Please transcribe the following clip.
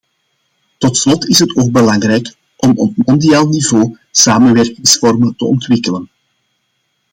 Tot slot is het ook belangrijk om op mondiaal niveau samenwerkingsvormen te ontwikkelen.